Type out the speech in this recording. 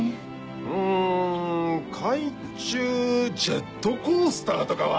うん海中ジェットコースターとかは？